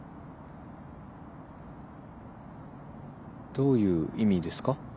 どういう意味ですか？